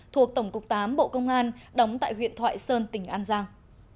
thuộc tổng cục tám bộ công an đóng tại huyện thoại sơn tỉnh an giang